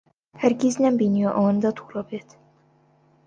هەرگیز نەمبینیوە ئەوەندە تووڕە بێت.